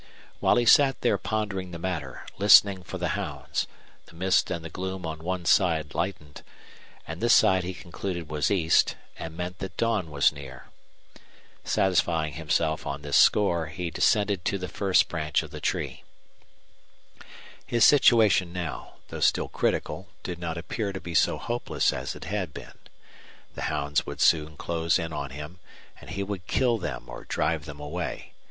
While he sat there pondering the matter, listening for the hounds, the mist and the gloom on one side lightened; and this side he concluded was east and meant that dawn was near. Satisfying himself on this score, he descended to the first branch of the tree. His situation now, though still critical, did not appear to be so hopeless as it had been. The hounds would soon close in on him, and he would kill them or drive them away.